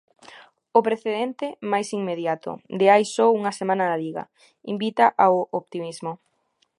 O precedente máis inmediato, de hai só unha semana na Liga, invita ao optimismo.